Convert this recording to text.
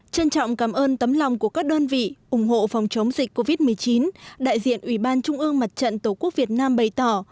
trân trọng cảm ơn tấm lòng của các đơn vị ủng hộ phòng chống dịch covid một mươi chín đại diện ủy ban trung ương mặt trận tổ quốc việt nam bày tỏ